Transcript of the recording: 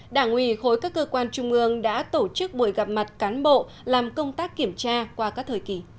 đảng ủy khối các cơ quan trung ương đã tổ chức buổi gặp mặt cán bộ làm công tác kiểm tra qua các thời kỳ